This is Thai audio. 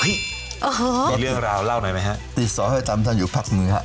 ฮือโอ้เหอะเรื่องราวเล่าหน่อยไหมฮะติดสอบให้ตามท่านอยู่ภาครึงฮะ